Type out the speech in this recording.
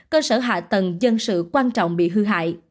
cơ sở hạ tầng dân sự quan trọng bị hư hại